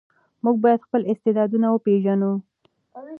موږ باید خپل استعدادونه وپېژنو.